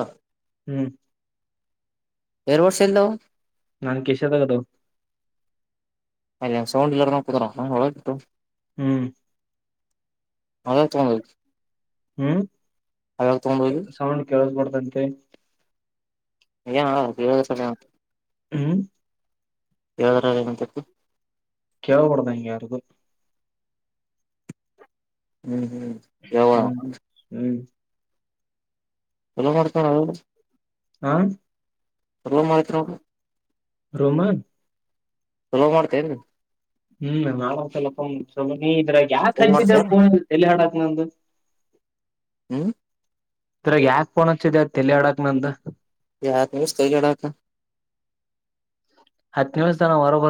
ಹಾ ಹ್ಮ್ ಬೇರೆ ವರ್ಷ ಇಲ್ಲ ನಾನ್ ಕಿಸ್ಯಾದಾಗ ಅದಾವ ಅ ಸೌಲ್ಲರ ನ ಕೊತರಳಟ್ಟು [unintelligible] ಹ್ಮ್ ಅವು ಏನಕ್ ತಗೊಂಡು ಹೋಗಿರಿ ಹ್ಮ್ ಹೋಗಿ ಸೌಂಡ್ ಕೆಳಸ ಬರ್ತ ಬಂದ್ರೆ ಯ [unintelligible] ಹೇಳಿದರ ಹ್ಮ್ ಏನ್ ತಪ್ಪು ಕೇಳಬಾರದು ಅಂಗ ಯಾರಿಗೂ ಹ್ಮ್ ಹ್ಮ್ ಯಾವ ಹ್ಮ್ ಹ್ಮ್ ಎಲ್ಲ ಮಾಡಕ [unintelligible] ಹಾ [unintelligible] ರೂಮ್ ಮಾಡ್ತಾರ ರೂಮಾ ಯಾವಾಗ ಮಾಡ್ತೇನು ಹ್ಮ್ ಮಾಡಬೇಕು ಅಲ್ಲ ಪಾ ನೀ ಇದ್ರ ಯಾಕ ಚಲೋ ಹಚ್ಚಿದ್ರೋ ಮಾಡ್ತೇನ್ ಪೋನ್ ತಲಿ ಹಡಕ್ ಏನ್ ಅದು ಹ್ಮ್ ತರ ಯಾಕೆ ಫೋನ್ ಹಚ್ಚಿದೆ ತಲಿ ಹಡಕ್ ನಂದು ಯಾಕ ಇಷ್ಟ ತಲಿ ಹಡಕ್ ಹತ್ತು ನಿಮಿಷ ತನ ಹೊರಗ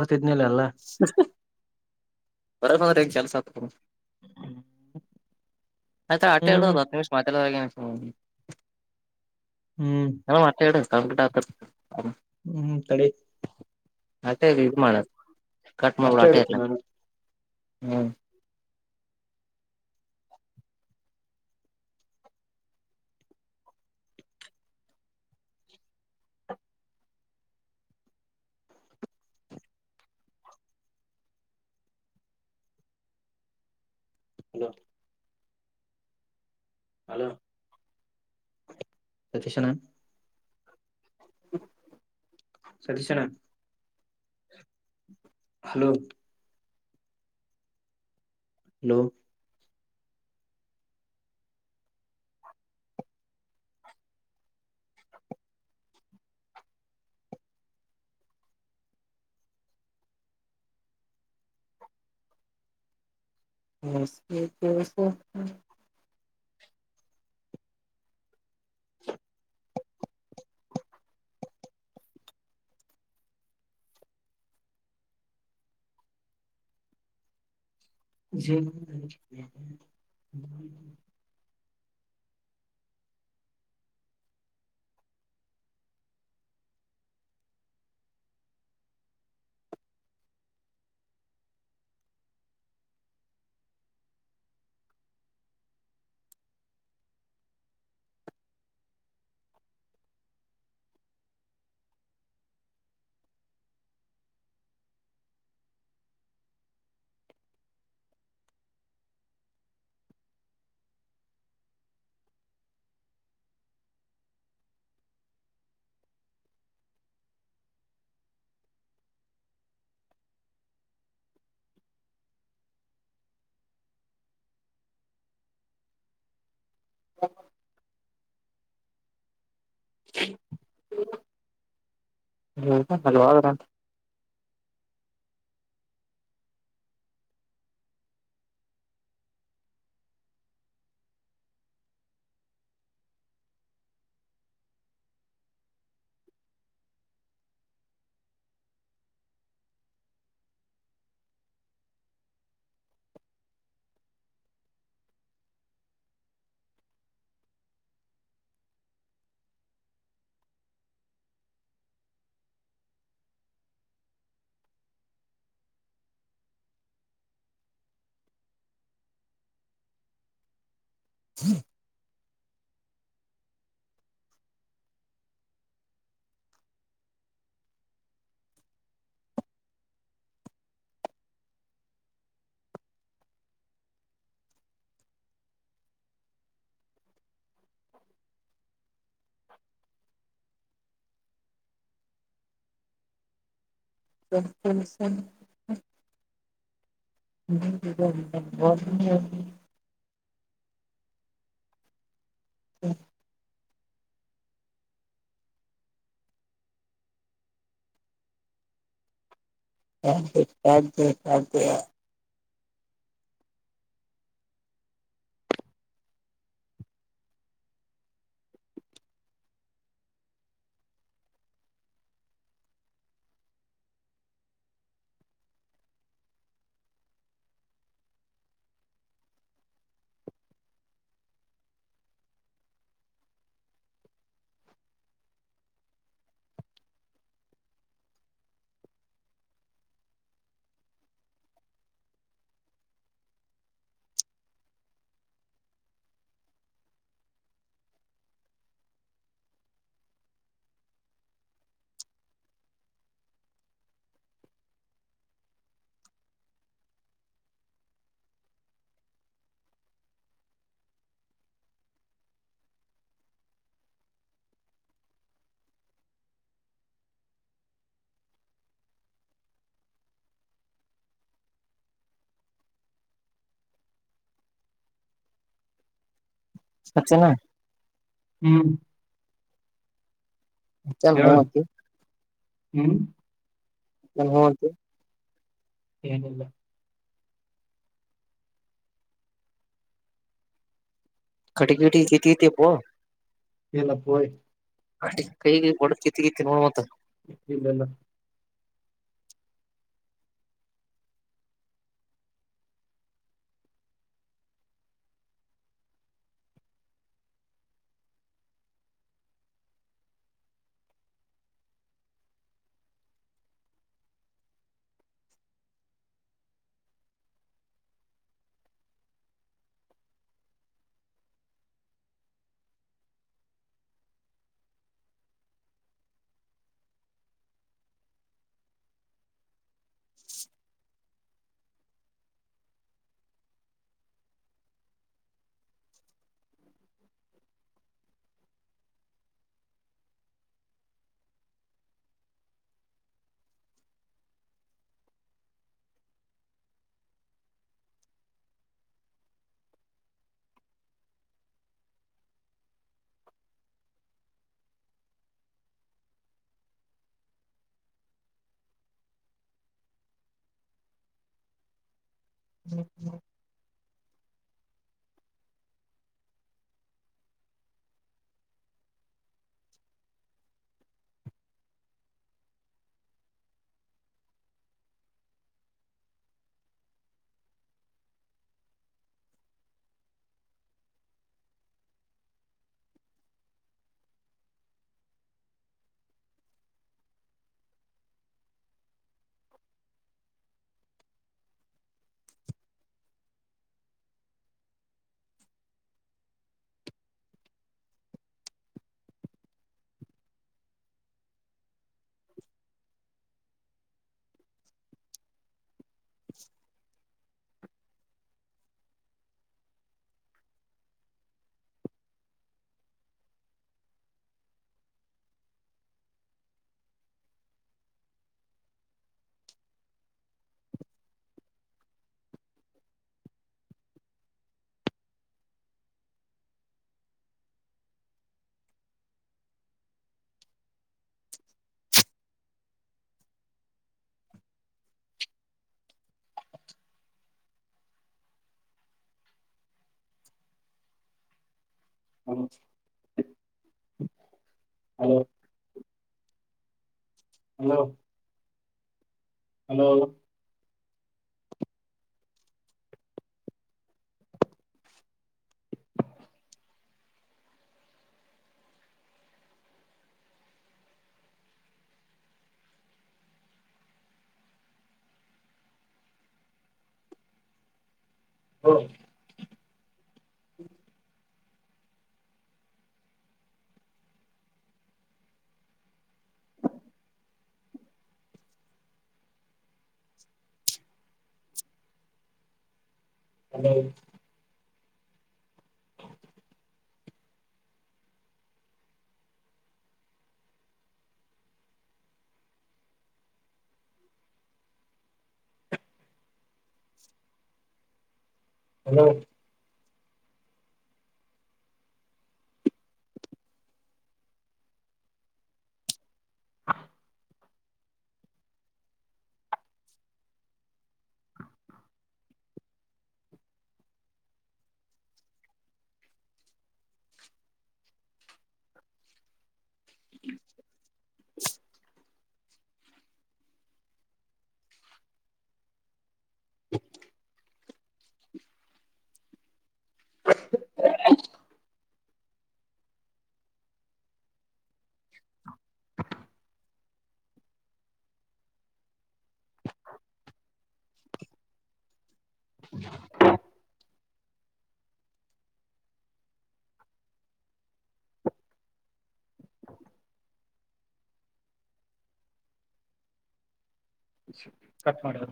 ಬರ ಮ ಚಲ್ಸ. [unintelligible] ಹ್ಮ [inaudible] ಆಯ್ತಾ ಅಟೆ ಇಡುಹೇಳಿದರು [unintelligible] ನ್ಯೂಸ್ ಮಾತಾಡಾಗಿದೆ. ಹ್ಮ್ ಆಅಟೆ ಇಡು. ಕಟತ. [inaudible] ಹ್ಮ್ ಹ್ಮ್ ತಡಿ ಅತ್ತೇ ವಿರು ಮಾಡಣ [unintelligible] ಕಟ್ ಮಾಡ ಅಷ್ಟೇ ಆಟೇ ಇರ್ಲ. ಇಡ್ತೀನಿ ನಾನು ಹ್ಮ್ ಹಲೋ ಹಲೋ ಸತೀಶನಾ [inaudible] ಸತೀಶಣ್ಣ ಹಲೋ ಹಲೋ [unintelligible] [unintelligible] ಜ [inaudible] [unintelligible] [unintelligible] ಹ್ಮ. [inaudible] ಹ್ಮ ಹೋದ್ರಅಂತ ಹ್ಮ. [inaudible] [unintelligible] [inaudible] ಸ ಸ [unintelligible] ಹ [inaudible] ಸಾಧ್ಯ ಸಾಧ್ಯ ಹಚ್ಚನಾ ಹ್ಮ ಹ ಚ ಹತ್ತ [unintelligible] ಹ್ಮ್ ಹೌದು ಹ್ಮ್ ಟಿಕೆಟ್ [unintelligible] ಇಲ್ಲಪಯ್ ಅ ಕೈಗೆ ಒಡ ಕಿತ್ತ ಗತ್ತ ನೋಡ ಮಂತ. ಇಲ್ಲಲ್ಲ [inaudible] [unintelligible] [inaudible] [unintelligible] [inaudible] [unintelligible] [inaudible] ಹ ಹ [unintelligible] ಹಲೋ. ಹಲೋ ಹ್ಮ [unintelligible] [unintelligible] [inaudible] [unintelligible] ಹಲೋ [unintelligible] ಹಲೋ [unintelligible] [unintelligible] [inaudible] ಸೂ ಕಟ್ ಮಾಡೋ